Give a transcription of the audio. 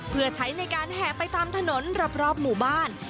เพื่อใช้ในการแห่ไปตามถนนรอบหมู่บ้าน